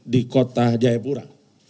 di kota jayapura